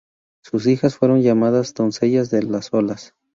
Sus hijas fueron llamadas "doncellas de las olas".